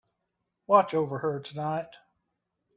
Watch over her tonight.